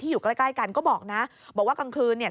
อยู่ใกล้ใกล้กันก็บอกนะบอกว่ากลางคืนเนี่ย